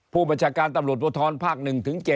ผู้บัญชาการตำรวจภูทรภาค๑ถึง๗